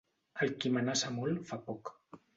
El qui amenaça molt fa poc.